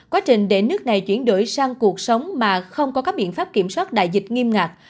quá trình để nước này chuyển đổi sang cuộc sống mà không có các biện pháp kiểm soát đại dịch nghiêm ngặt